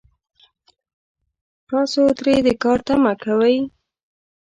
تاسو ترې د کار تمه کوئ